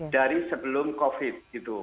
dari sebelum covid gitu